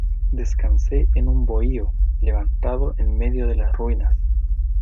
descansé en un bohío levantado en medio de las ruinas